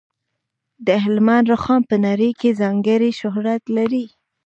د هلمند رخام په نړۍ کې ځانګړی شهرت لري.